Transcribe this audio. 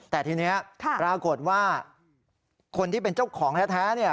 แต่ทีนี้ปรากฏว่าคนที่เป็นเจ้าของแท้